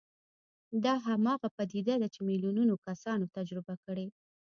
دا هماغه پديده ده چې ميليونونه کسانو تجربه کړې.